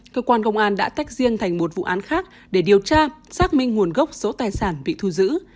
cơ quan công an đã tách riêng thành một vụ án khác để điều tra xác minh nguồn gốc số tài sản bị thu giữ